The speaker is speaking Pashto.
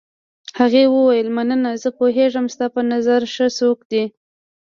هغې وویل: مننه، زه پوهېږم ستا په نظر ښه څوک دی.